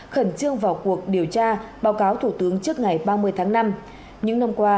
khẩn trương vào cuộc điều tra báo cáo thủ tướng trước ngày ba mươi tháng năm